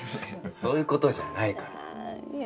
そういうことじゃないからなんよ